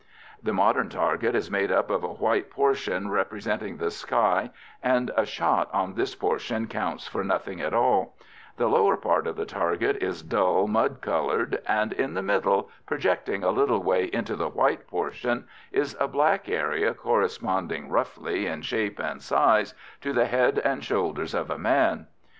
The modern target is made up of a white portion representing the sky, and a shot on this portion counts for nothing at all; the lower part of the target is dull mud coloured, and in the middle, projecting a little way into the white portion, is a black area corresponding roughly in shape and size to the head and shoulders of a man.